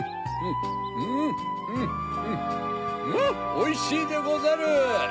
おいしいでござる！